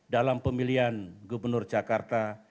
dalam pemilihan gubernur jakarta